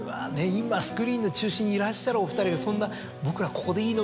今スクリーンの中心にいらっしゃるお２人がそんな「僕らここでいいの？」